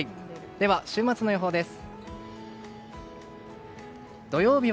では、週末の予報です。